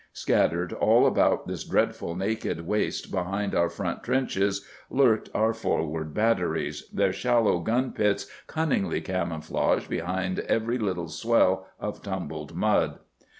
Scattered all about this dreadful naked waste behind our front trenches lurked our forward batteries, their shallow gun pits cunningly camouflaged behind every little swell of tumbled mud.